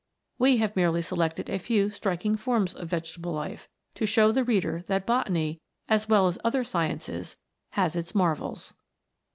We have merely selected a few striking forms of vegetable life, to show the reader that botany, as well as the other sciences, has its marvels.